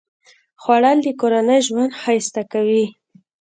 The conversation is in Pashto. خوړل د کورنۍ ژوند ښایسته کوي